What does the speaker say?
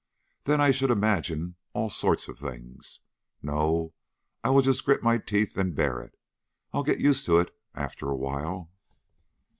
Then I should imagine all sorts of things. No, I will just grit my teeth and bear it. I'll get used to it after a while."